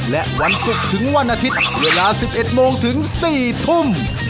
และวันศุกร์ถึงวันอาทิตย์เวลา๑๑โมงถึง๔ทุ่ม